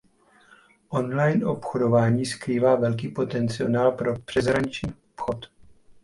Online obchodování skrývá velký potenciál pro přeshraniční obchod.